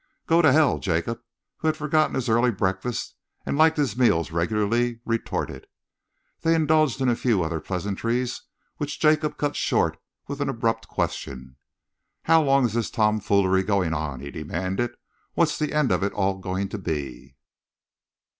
"Go to hell!" Jacob, who had forgotten his early breakfast and liked his meals regularly, retorted. They indulged in a few other pleasantries, which Jacob cut short with an abrupt question. "How long is this tomfoolery going on?" he demanded. "What's the end of it all going to be?"